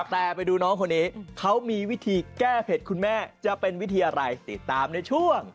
แต่ไปดูน้องคนนี้เขามีวิธีแก้เผ็ดคุณแม่จะเป็นวิธีอะไรติดตามในช่วง